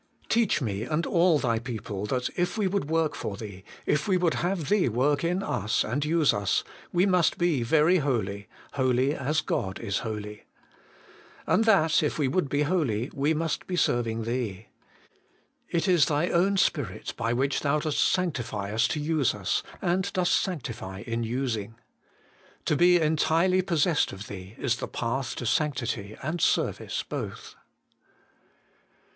Teach me and all Thy people that if we would work for Thee, if we would have Thee Q 242 HOLY IN CHRIST. work in us, and use us, we must be very holy, holy as God is holy. And that if we would be holy, we must be serving Thee. It is Thy own Spirit, by which Thou dost sanctify us to use us, and dost sanctify in using. To be entirely possessed of Thee is the path to sanctity and service both.